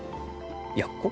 やっこ？